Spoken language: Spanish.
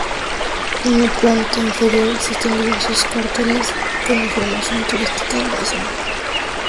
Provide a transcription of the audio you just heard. En la planta inferior existen diversos carteles con información turística de la zona.